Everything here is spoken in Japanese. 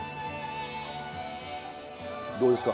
どうですか？